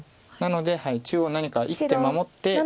なので中央何か１手守って。